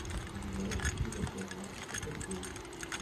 Inwieweit ist jedoch der Rat beschlussfähig?